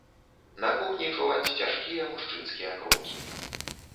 На кухні чуваць цяжкія мужчынскія крокі.